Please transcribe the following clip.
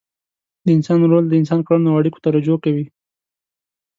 د انسان رول د انسان کړنو او اړیکو ته رجوع کوي.